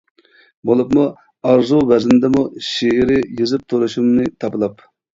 بولۇپمۇ ئارۇز ۋەزىندىمۇ شېئىرى يېزىپ تۇرۇشۇمنى تاپىلاپ.